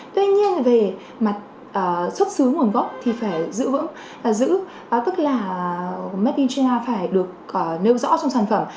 tuy nhiên về mặt xuất xứ nguồn gốc thì phải giữ vững tức là made in china phải được nêu rõ trong sản phẩm